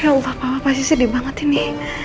ya allah papa pasti sedih banget ini